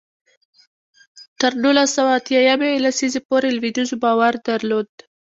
تر نولس سوه اتیا یمې لسیزې پورې لوېدیځوالو باور درلود.